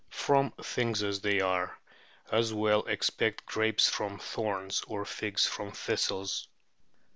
From "things as they are!" As well expect grapes from thorns, or figs from thistles.